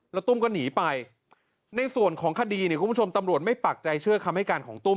แล้วตุ้มก็หนีไปในส่วนของคดีเนี่ยคุณผู้ชมตำรวจไม่ปักใจเชื่อคำให้การของตุ้ม